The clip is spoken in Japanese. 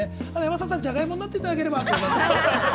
山里さん、ジャガイモになっていただければって。